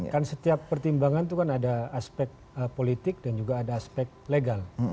karena setiap pertimbangan itu kan ada aspek politik dan juga ada aspek legal